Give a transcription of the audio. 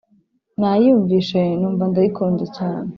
Nayumvishe numva ndayikunze cyane